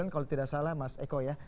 kalau tidak salah mas eko ya